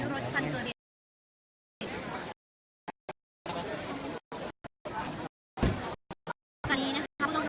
ถูกกับบริษัททัน